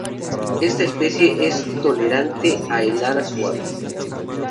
Esta especie es tolerante a heladas suaves.